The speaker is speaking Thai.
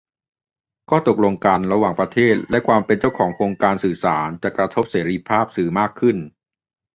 ข้อตกลงการระหว่างประเทศ และความเป็นเจ้าของโครงสร้างสื่อสาร จะกระทบเสรีภาพสื่อมากขึ้น